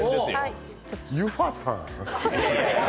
ユファさん。